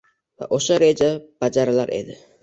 va o‘sha reja bajarilar edi.